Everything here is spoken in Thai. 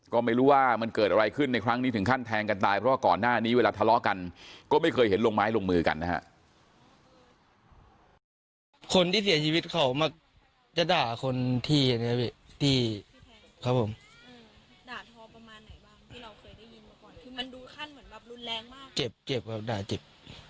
คนที่เสียชีวิตเขามักจะด่าคนที่ที่ครับผมเออด่าทอประมาณไหนบ้างที่เราเคยได้ยินมาก่อนคือมันดูขั้นเหมือนแบบรุนแรงมากเจ็บเจ็บแบบด่าเจ็บ